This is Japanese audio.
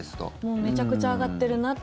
めちゃくちゃ上がってるなって。